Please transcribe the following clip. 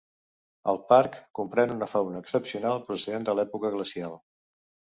El parc comprèn una fauna excepcional procedent de l'època glacial.